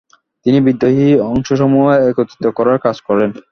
তিনি বিদ্রোহী অংশসমূহ একত্রিত করার কাজ করেন।